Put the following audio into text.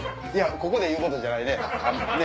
ここで言うことじゃないね。